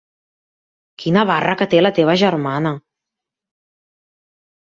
Quina barra que té la teva germana.